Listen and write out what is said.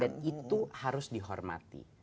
dan itu harus dihormati